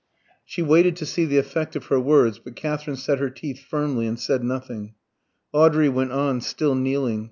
She waited to see the effect of her words, but Katherine set her teeth firmly and said nothing. Audrey went on, still kneeling.